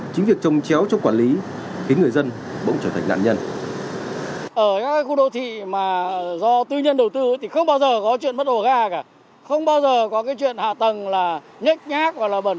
chính việc trông chéo cho quản lý khiến người dân bỗng trở thành nạn nhân